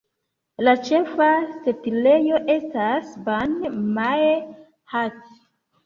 La ĉefa setlejo estas Ban Mae Hat.